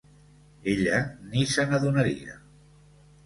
Ella ni se n'adonaria.